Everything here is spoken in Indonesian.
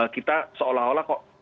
kita seolah olah kok